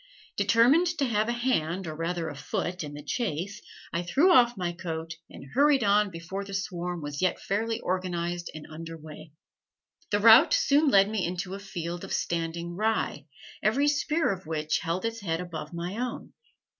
Determined to have a hand, or rather a foot, in the chase, I threw off my coat and hurried on, before the swarm was yet fairly organized and under way. The route soon led me into a field of standing rye, every spear of which held its head above my own.